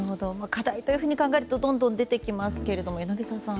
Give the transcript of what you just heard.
課題と考えるとどんどん出てきますが柳澤さん